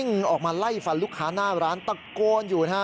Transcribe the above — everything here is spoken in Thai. โทษทีโทษทีโทษที